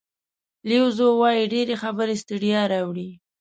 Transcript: لیو زو وایي ډېرې خبرې ستړیا راوړي.